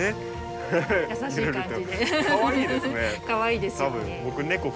かわいいですよね。